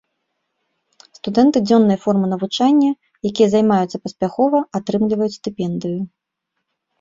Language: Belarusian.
Студэнты дзённай формы навучання, якія займаюцца паспяхова, атрымліваюць стыпендыю.